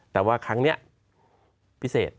แต่ว่าครั้งนี้พิเศษ